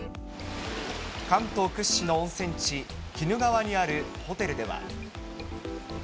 関東屈指の温泉地、鬼怒川にあるホテルでは。